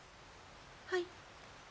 はい。